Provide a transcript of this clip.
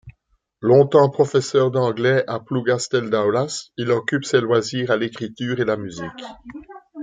Longtemps professeur d'anglais à Plougastel-Daoulas, il occupe ses loisirs à l'écriture et la musique.